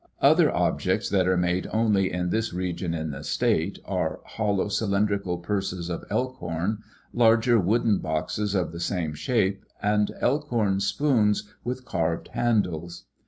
Other objects that are made only in this region in the state are hollow cylindrical purses of elkhorn, larger wooden boxes of the same shape, and elkhorn spoons with carved handles.